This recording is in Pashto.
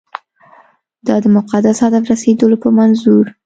دا د مقدس هدف رسېدلو په منظور.